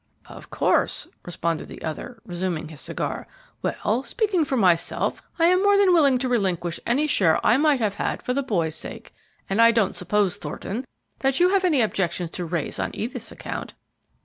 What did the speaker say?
"Of course," responded the other, resuming his cigar. "Well, speaking for myself, I am more than willing to relinquish any share I might have had for the boy's sake, and I don't suppose, Thornton, that you have any objections to raise on Edith's account."